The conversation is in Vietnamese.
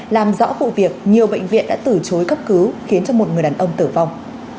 làm rõ vụ việc nhiều bệnh viện đã tử chối cấp cứu khiến một người đàn ông tử vong